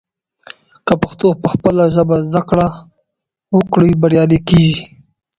که پښتون پخپله ژبه زده کړه وکړي، بریالی کیږي.